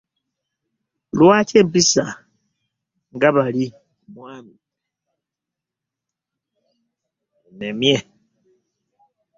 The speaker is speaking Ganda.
Lwaki ompisa ng'atali mwami wo?